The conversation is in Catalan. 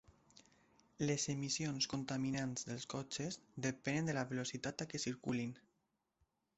Les emissions contaminants dels cotxes depenen de la velocitat a què circulin.